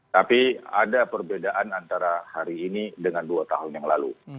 tapi ada perbedaan antara hari ini dengan dua tahun yang lalu